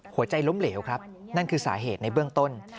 หัวใจล้มเหลวครับนั่นคือสาเหตุในเบื้องต้น